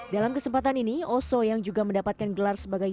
dalam kesempatan ini oso yang juga mendapatkan gelar sebagai